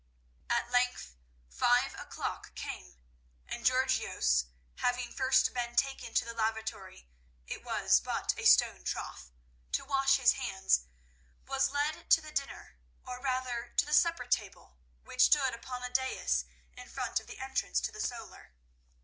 At length five o'clock came, and Georgios having first been taken to the lavatory—it was but a stone trough—to wash his hands, was led to the dinner, or rather to the supper table, which stood upon a dais in front of the entrance to the solar.